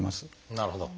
なるほど。